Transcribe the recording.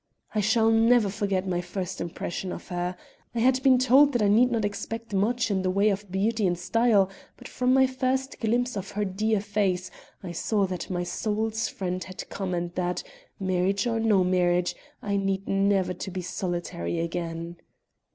I shall never forget my first impression of her. I had been told that I need not expect much in the way of beauty and style, but from my first glimpse of her dear face, I saw that my soul's friend had come and that, marriage or no marriage, I need never be solitary again.